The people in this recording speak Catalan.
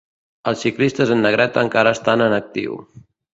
Els ciclistes en negreta encara estan en actiu.